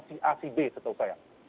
si a si b setahu saya